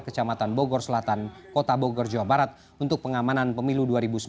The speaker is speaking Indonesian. kecamatan bogor selatan kota bogor jawa barat untuk pengamanan pemilu dua ribu sembilan belas